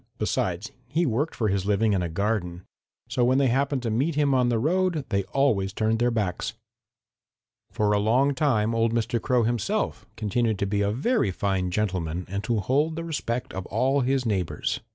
Besides, he worked for his living in a garden. So when they happened to meet him on the road they always turned their backs. "For a long time old Mr. Crow himself continued to be a very fine gentleman and to hold the respect of all his neighbors.